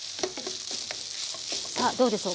さあどうでしょう。